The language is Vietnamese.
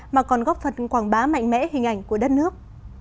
mà còn góp phần quảng bá mạnh mẽ hình ảnh của đất nước